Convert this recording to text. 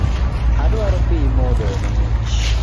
Adwaro pii modho mang'ich